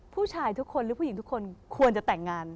ผู้ชายทุกคนหรือผู้หญิงทุกคนควรจะแต่งงาน